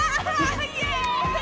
イェーイ！